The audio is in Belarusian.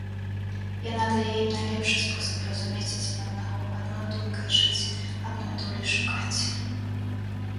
Яна дае ім найлепшы спосаб разумець адзін аднаго, адной думкай жыць, адной долі шукаць.